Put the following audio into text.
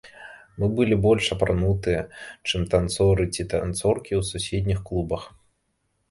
Мы былі больш апранутыя, чым танцоры ці танцоркі ў суседніх клубах.